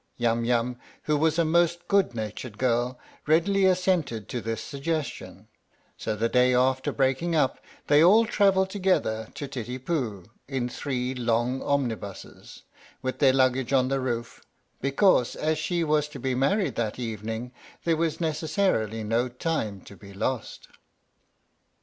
Yum Yum, who was a most good natured girl, readily assented to this suggestion, so the day after breaking up they all travelled together 33 D THE STORY OF THE MIKADO to Titipu in three long omnibuses, with their luggage on the roof, because as she was to be married that evening there was necessarily no time to be lost.